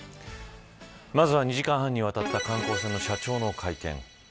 まずは、２時間半にわたった観光船の社長の会見。